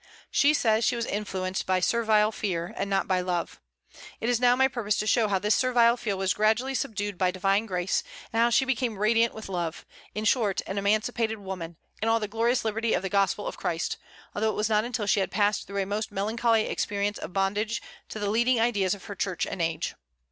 She says she was influenced by servile fear, and not by love. It is now my purpose to show how this servile fear was gradually subdued by divine grace, and how she became radiant with love, in short, an emancipated woman, in all the glorious liberty of the gospel of Christ; although it was not until she had passed through a most melancholy experience of bondage to the leading ideas of her Church and age.